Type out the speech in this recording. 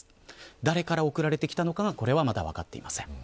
誰から送られてきたのかは分かっていません。